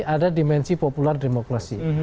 ada dimensi populer demokrasi